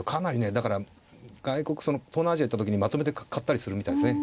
だから外国東南アジア行った時にまとめて買ったりするみたいですね。